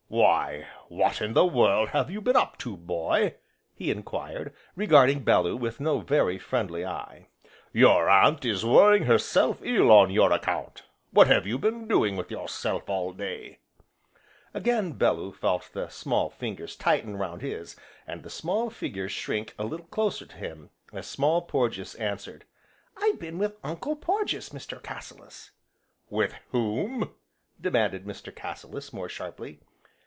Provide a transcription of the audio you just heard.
"Why what in the world have you been up to, boy?" he enquired, regarding Bellew with no very friendly eye. "Your Aunt is worrying herself ill on your account, what have you been doing with yourself all day?" Again Bellew felt the small fingers tighten round his, and the small figure shrink a little closer to him, as Small Porges answered, "I've been with Uncle Porges, Mr. Cassilis." "With whom?" demanded Mr. Cassilis, more sharply.